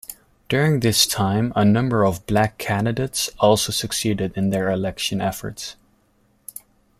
During this time a number of black candidates also succeeded in their election efforts.